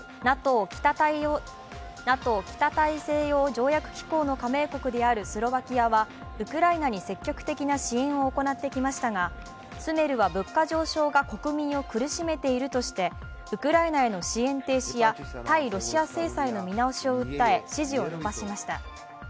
ＮＡＴＯ＝北大西洋条約機構の加盟国であるスロバキアはウクライナに積極的な支援を行ってきましたがスメルは物価上昇が国民を苦しめているとしてウクライナへの支援停止や対ロシア制裁の見直しを訴え支持をのばしました。